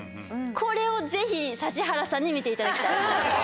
これをぜひ指原さんに見ていただきたい。